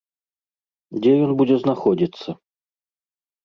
Дзе ён будзе знаходзіцца?